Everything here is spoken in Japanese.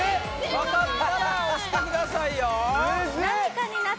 分かったら押してくださいよムズっ！